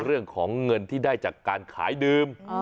เรื่องของเงินที่ได้จากการขายดื่ม